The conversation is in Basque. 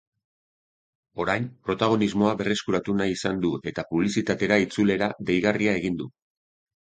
Orain, protagonismoa berreskuratu nahi izan du eta publizitatera itzulera deigarria egin du.